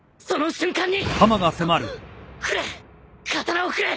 刀を振れ！